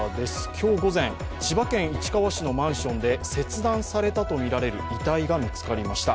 今日午前、千葉県市川市のマンションで切断されたとみられる遺体が見つかりました。